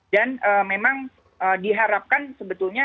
dan memang diharapkan sebetulnya